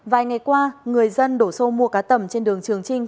vài ngày qua người dân đổ xô mua cá tầm trên đường trường trinh